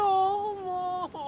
もう。